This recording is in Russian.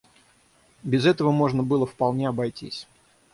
Без этого можно было вполне обойтись.